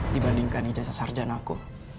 dibandingkan ijazah sarja anakku